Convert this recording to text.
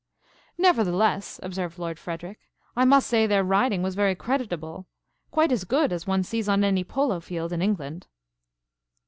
"Nevertheless," observed Lord Frederic, "I must say their riding was very creditable quite as good as one sees on any polo field in England."